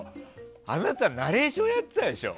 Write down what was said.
あなたナレーションやってたでしょ？